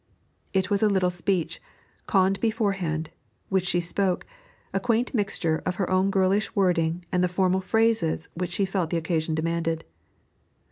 It was a little speech, conned beforehand, which she spoke a quaint mixture of her own girlish wording and the formal phrases which she felt the occasion demanded.